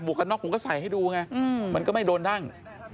กระน็อกผมก็ใส่ให้ดูไงมันก็ไม่โดนดั้ง